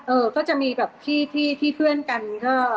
ก็จะมีแบบที่เพื่อนกันก็